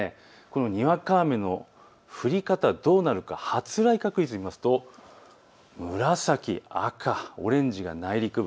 にわか雨の降り方、どうなるのか発雷確率を見ていきますと紫、赤、オレンジが内陸部。